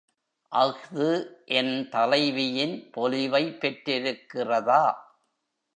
அஃது என் தலைவியின் பொலிவைப் பெற்றிருக்கிறதா?